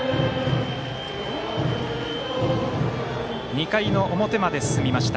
２回の表まで進みました。